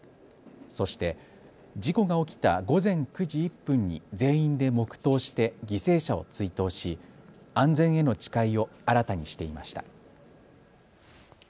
そして事故が起きた午前９時１分に全員で黙とうして犠牲者を追悼し安全への誓いを新たにしていました。